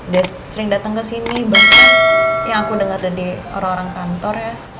dia sering dateng kesini bahkan yang aku denger dari orang orang kantornya